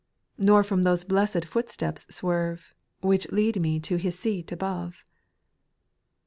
Nor from those blessed footsteps swerve, "Which lead me to His seat above